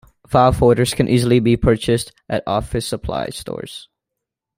File folders can easily be purchased at office supply stores.